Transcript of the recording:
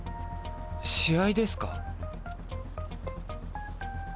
試合ですか？